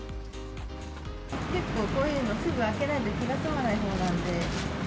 結構こういうの、すぐ開けないと気がすまないほうなんで。